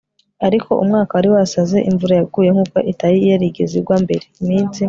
ariko umwaka wari wasaze. imvura yaguye nkuko itari yarigeze igwa mbere. iminsi